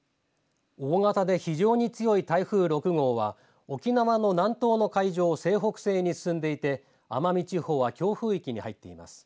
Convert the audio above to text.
大型で非常に強い台風６号は沖縄の南東の海上を西北西に進んでいて奄美地方は強風域に入っています。